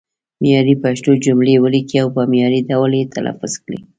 معیاري پښتو جملې ولیکئ او په معیاري ډول یې تلفظ کړئ.